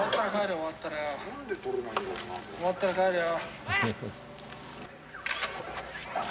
終わったら帰れよ。